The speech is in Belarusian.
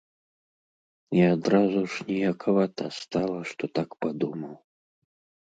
І адразу ж ніякавата стала, што так падумаў.